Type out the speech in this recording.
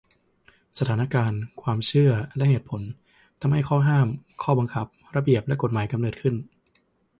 สถานการณ์ ความเชื่อ และเหตุผล ทำให้ข้อห้าม ข้อบังคับ ระเบียบ และกฎหมายกำเนิดขึ้น